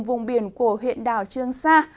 vùng biển của huyện đảo trương sa